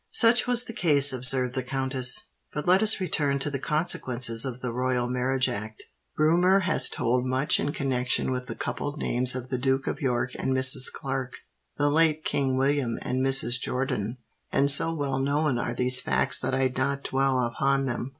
"Such was the case," observed the countess. "But let us return to the consequences of the Royal Marriage Act. Rumour has told much in connexion with the coupled names of the Duke of York and Mrs. Clarke—the late King William and Mrs. Jordan; and so well known are these facts that I need not dwell upon them.